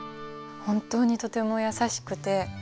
本当にとても優しくて。